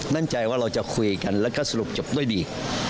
มั่นใจว่าเราจะคุยกันแล้วก็สรุปจบด้วยดี